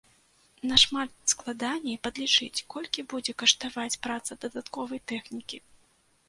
Нашмат складаней падлічыць, колькі будзе каштаваць праца дадатковай тэхнікі.